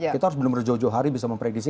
kita harus belum berjauh jauh hari bisa mempredisi